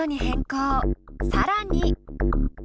更に！